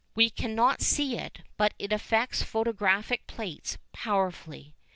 We cannot see it but it affects photographic plates powerfully.